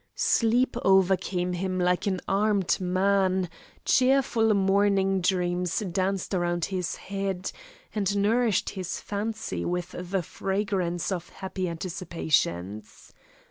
Sleep overcame him like an armed man, cheerful morning dreams danced round his head, and nourished his fancy with the fragrance of happy anticipations.